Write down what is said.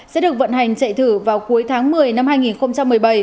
sẽ được vận hành chạy thử vào cuối tháng một mươi năm hai nghìn một mươi bảy